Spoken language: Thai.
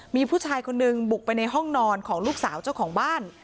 มีผู้ชายคนนึงบุกไปในห้องนอนของลูกสาวเจ้าของบ้าน